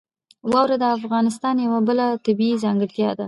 واوره د افغانستان یوه بله طبیعي ځانګړتیا ده.